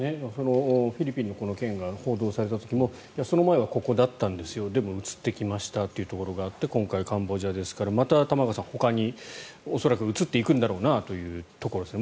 フィリピンのこの件が報道された時もその前はここだったんですよでも移ってきましたというところがあって今回カンボジアですから、玉川さん恐らく、ほかに移っていくんだろうなということですね。